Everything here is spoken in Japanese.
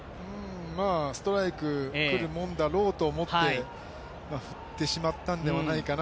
まあストライク来るもんだろうと思って振ってしまったんではないかな。